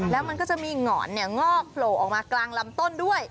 แล้วมันก็จะมีหงอนงอกโผล่ออกมากลางลำต้นด้วย